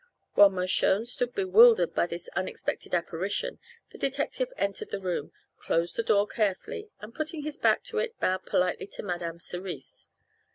While Mershone stood bewildered by this unexpected apparition the detective entered the room, closed the door carefully, and putting his back to it bowed politely to Madame Cerise.